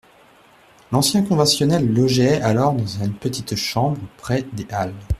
L'ancien conventionnel logeait alors dans une petite chambre près des halles.